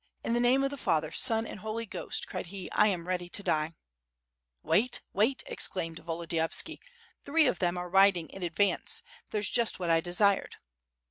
"In the name of the Father, Son and Holy Ghost!" cried he, "I am ready to die." "Wait, wait," exclaimed Volodiyovski, "three of them are riding in advance; there's just what I desired."